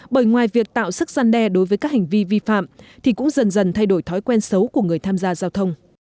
bởi ngoài việc tạo sức gian đe đối với các hành vi vi phạm thì cũng dần dần thay đổi thói quen xấu của người tham gia giao thông